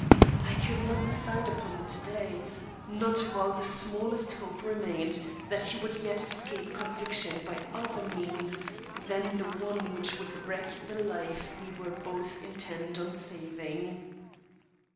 I could not decide upon it to day not while the smallest hope remained that he would yet escape conviction by other means than the one which would wreck the life we were both intent on saving.